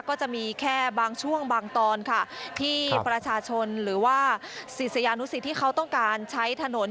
ก็จะมีแค่บางช่วงบางตอนค่ะที่ประชาชนหรือว่าศิษยานุสิตที่เขาต้องการใช้ถนน